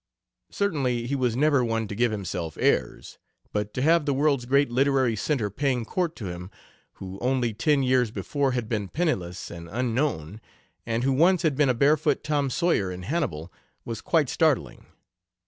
Certainly he was never one to give himself airs, but to have the world's great literary center paying court to him, who only ten years before had been penniless and unknown, and who once had been a barefoot Tom Sawyer in Hannibal, was quite startling.